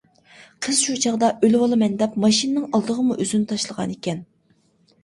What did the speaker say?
قىز شۇ چاغدا ئۆلۈۋالىمەن دەپ ماشىنىنىڭ ئالدىغىمۇ ئۆزىنى تاشلىغانىكەن.